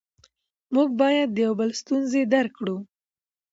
موږ باید د یو بل ستونزې درک کړو